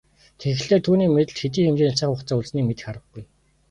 Тэгэхлээр түүний мэдэлд хэдий хэмжээний цаг хугацаа үлдсэнийг мэдэх аргагүй.